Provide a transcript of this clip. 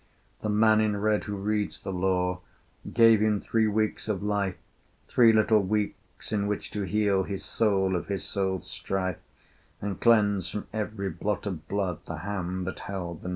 The man in red who reads the Law Gave him three weeks of life, Three little weeks in which to heal His soul of his soul's strife, And cleanse from every blot of blood The hand that held the knife.